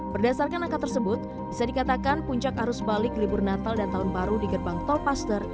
berdasarkan angka tersebut bisa dikatakan puncak arus balik libur natal dan tahun baru di gerbang tol paster